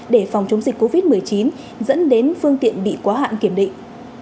để phòng chống dịch covid một mươi chín dẫn đến phương tiện bị quá hạn kiểm định